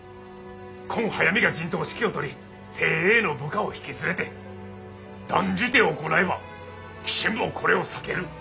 こん速水が陣頭指揮をとり精鋭の部下を引き連れて「断じて行えば鬼神もこれを避ける」のお言葉どおりでごわす。